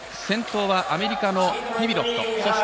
先頭はアメリカのピビロット